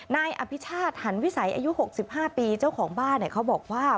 นายอภิชาติหันวิสัยอายุ๖๕ปีเจ้าของบ้านเขาบอกว่า